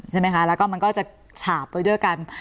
ใช่ไหมคะแล้วก็มันก็จะฉาบไปด้วยกัน